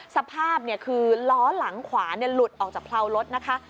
สภาพคือล้อหลังขวาหลุดออกจากเพรารถนะคะ